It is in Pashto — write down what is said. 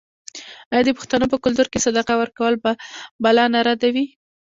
آیا د پښتنو په کلتور کې صدقه ورکول بلا نه ردوي؟